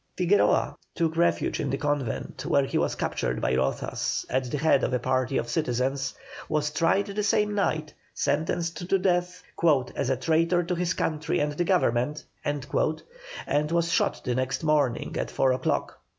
Figueroa took refuge in a convent, where he was captured by Rozas at the head of a party of citizens, was tried that same night, sentenced to death "as a traitor to his country and the government," and was shot the next morning at four o'clock.